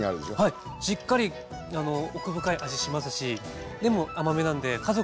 はいしっかり奥深い味しますしでも甘めなんで家族みんなで楽しめる感じがしますね。